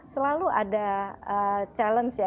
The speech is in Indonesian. selalu ada challenge ya